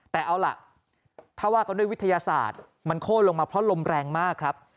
แต่เอาล่ะถ้าว่ากันด้วยวิทยาศาสตร์มันโค้นลงมาเพราะลมแรงมากครับ